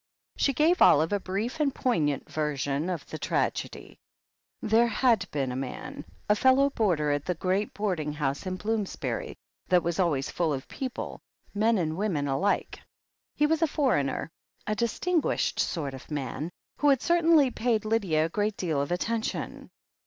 She gave Olive a brief and poignant version of the tragedy. There had been a man — a fellow boarder at the great boarding house in Bloomsbury that was always full of people, men and women alike. He was a foreigner — 3. distinguished sort of man — who had certainly paid Lydia a great deal of attention.